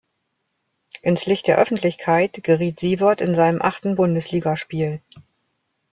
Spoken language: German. Ins Licht der Öffentlichkeit geriet Siewert in seinem achten Bundesligaspiel.